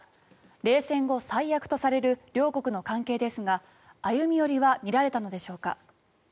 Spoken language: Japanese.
冷戦後最悪とされる両国の関係ですが歩み寄りは見られたのでしょうか。